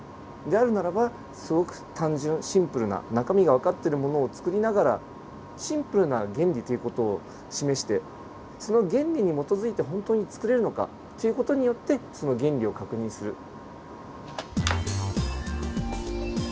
であるならばすごく単純シンプルな中身がわかってるものをつくりながらシンプルな原理という事を示してその原理に基づいて本当につくれるのかっていう事によってその原理を確認する。